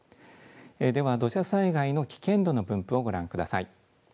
では、土砂災害の危険度の分布をご覧ください。